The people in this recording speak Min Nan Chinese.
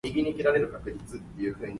九月颱，無人知